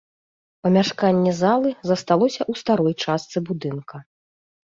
Памяшканне залы засталося ў старой частцы будынка.